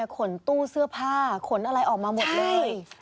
ขนตู้เสื้อผ้าขนอะไรออกมาหมดเลย